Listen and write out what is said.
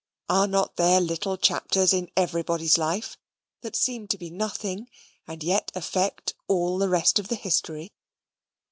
Are not there little chapters in everybody's life, that seem to be nothing, and yet affect all the rest of the history?